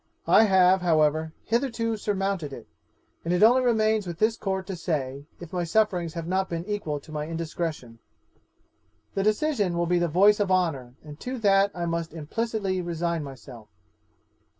I have, however, hitherto surmounted it, and it only remains with this Court to say, if my sufferings have not been equal to my indiscretion. 'The decision will be the voice of honour, and to that I must implicitly resign myself.